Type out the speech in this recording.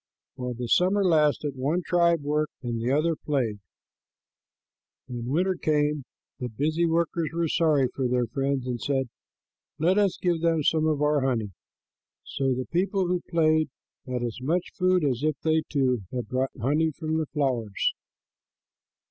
While the summer lasted, one tribe worked and the other played. When winter came, the busy workers were sorry for their friends and said, "Let us give them some of our honey." So the people who played had as much food as if they, too, had brought honey from the flowers.